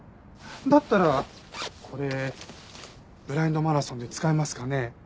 だったらこれブラインドマラソンで使えますかね？